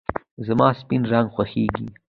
زما سپین رنګ خوښېږي .